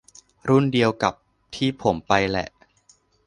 รุ่นเดียวกับที่ผมไปแหละ